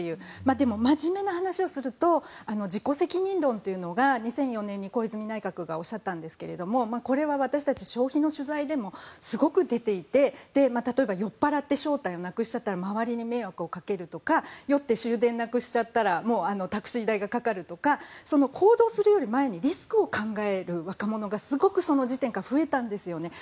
でも、真面目な話をすると自己責任論というのが２０１４年に小泉内閣がおっしゃったんですけどこれは私たち、消費の取材でもすごく出ていて例えば酔っぱらって正体をなくしちゃったら周りに迷惑をかけるとか酔って終電なくしちゃったらタクシー代がかかるとか行動するより前にリスクを考える若者がすごく増えたんですよね。